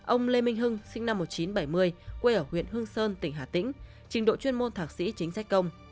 ông lê minh hưng sinh năm một nghìn chín trăm bảy mươi quê ở huyện hương sơn tỉnh hà tĩnh trình độ chuyên môn thạc sĩ chính sách công